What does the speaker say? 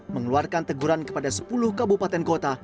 mengeluarkan teguran kepada sepuluh kabupaten kota